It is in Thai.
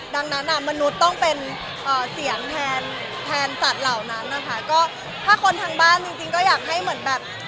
ดังนั้นมนุษย์ต้องเป็นเสียงแทนสัตว์เหล่านั้น